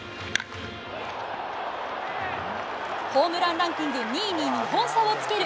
ホームランランキング２位に２本差をつける